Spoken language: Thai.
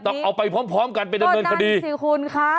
ต้องเอาไปพร้อมกันไปดำเนินคดีตอนนั้นสิคุณคะ